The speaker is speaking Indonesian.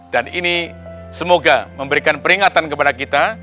dan ini semoga memberikan peringatan kepada kita